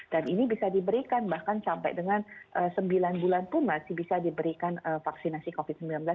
dan ini bisa diberikan bahkan sampai dengan sembilan bulan pun masih bisa diberikan vaksinasi covid sembilan belas